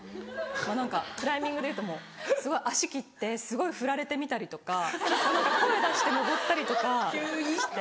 まぁ何かクライミングでいうとすごい足切ってすごい振られてみたりとか何か声出して登ったりとかして。